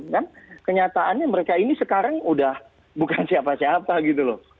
dan kenyataannya mereka ini sekarang udah bukan siapa siapa gitu loh